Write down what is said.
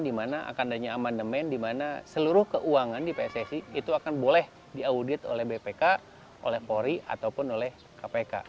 di mana akan adanya amandemen di mana seluruh keuangan di pssi itu akan boleh diaudit oleh bpk oleh polri ataupun oleh kpk